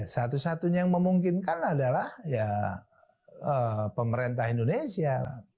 satu satunya yang memungkinkan adalah ya pemerintah indonesia